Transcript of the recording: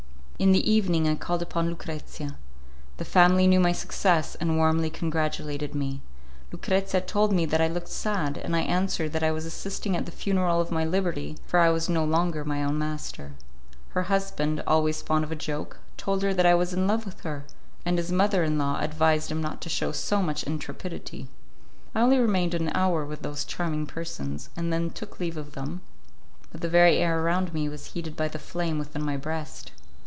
In the evening I called upon Lucrezia. The family knew my success, and warmly congratulated me. Lucrezia told me that I looked sad, and I answered that I was assisting at the funeral of my liberty, for I was no longer my own master. Her husband, always fond of a joke, told her that I was in love with her, and his mother in law advised him not to show so much intrepidity. I only remained an hour with those charming persons, and then took leave of them, but the very air around me was heated by the flame within my breast.